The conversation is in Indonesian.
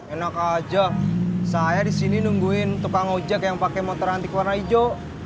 enak aja saya disini nungguin tukang ojek yang pakai motor antik warna hijau